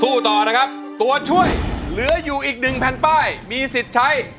ต่อนะครับตัวช่วยเหลืออยู่อีกหนึ่งแผ่นป้ายมีสิทธิ์ใช้